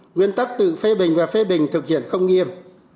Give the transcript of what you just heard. nguyên tắc tự phê bình và phê bình thực hiện không nghiêm